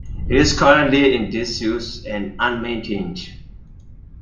It is currently in disuse and unmaintained.